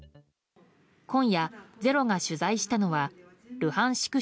今夜「ｚｅｒｏ」が取材したのはルハンシク